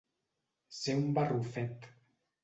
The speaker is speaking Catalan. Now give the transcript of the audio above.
Ser un barrufet.